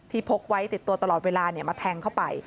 พกไว้ติดตัวตลอดเวลามาแทงเข้าไป